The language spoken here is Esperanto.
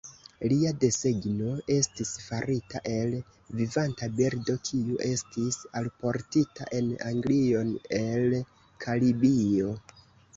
Lia desegno estis farita el vivanta birdo kiu estis alportita en Anglion el Karibio.